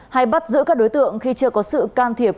hay bắt giữ các đối tượng khi chưa có sự can thiệp